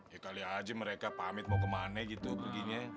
ya kali aja mereka pamit mau kemana gitu begini